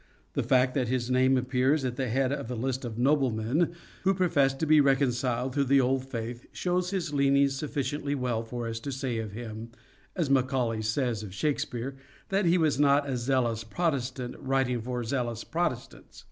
The fact that his name appears at the head of a list of noblemen who professed to be reconciled to the old faith shows his leanings sufficiently well for us to say of him, as Macaulay says of Shakespeare, that he was not a zealous Protestant writing for zealous Protestants.